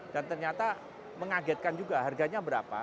dan ternyata mengagetkan juga harganya berapa